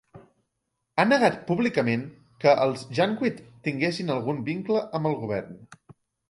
Ha negat públicament que els Janjaweed tinguessin algun vincle amb el govern.